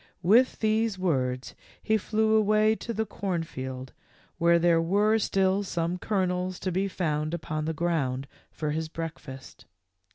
With these words he flew away to the corn field where there were still some kernels to be found upon the ground for his breakfast.